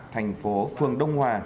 thành phố phường đông hòa